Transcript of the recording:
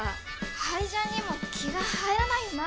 ハイジャンにも気が入らないよな。